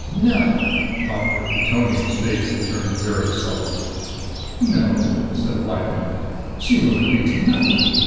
"No." Doctor Veetonia's face had turned very sullen. "No?" said Lyad. "She will agree to nothing.